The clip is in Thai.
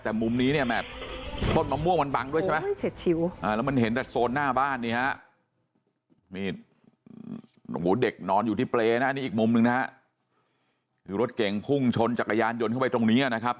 แต่มุมนี้เนี่ยแมบต้นบะม่วงบันบังด้วยใช่ไหม